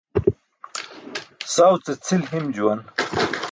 Saw ce cʰil him juwan.